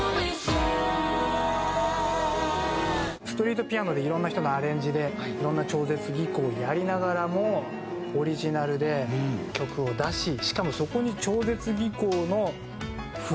ストリートピアノでいろんな人のアレンジでいろんな超絶技巧をやりながらもオリジナルで曲を出ししかもそこに超絶技巧のフレーズも入れながら歌って。